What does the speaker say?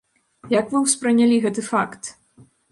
Як вы ўспрынялі гэты факт?